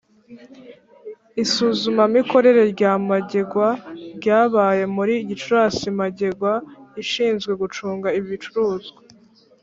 Isuzumamikorere rya magerwa ryabaye muri gicurasi magerwa ishinzwe gucunga ibicuruzwa